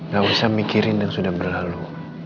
gak usah mikirin yang sudah berlalu